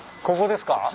ここですか？